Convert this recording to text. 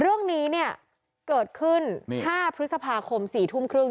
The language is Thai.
เรื่องนี้เนี่ยเกิดขึ้น๕พฤษภาคม๔ทุ่มครึ่ง